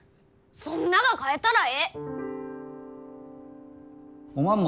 そんなが変えたらえい！